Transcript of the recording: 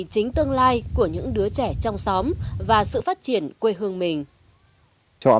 chính tương lai của những đứa trẻ trong xóm và sự phát triển quê hương mình